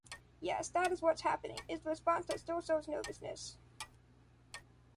Yes, that is what’s happening, is the response that still shows nervousness.